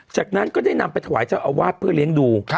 จากนั้นก็ได้นำไปถวายเจ้าอาวาสเพื่อเลี้ยงดู